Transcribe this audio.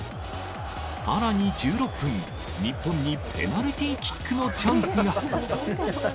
さらに１６分、日本にペナルティーキックのチャンスが。